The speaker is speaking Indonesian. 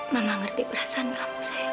mama ngerti perasaan kamu sayang